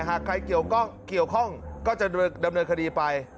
หากใครเกี่ยวข้องก็จะดำเนินคดีไป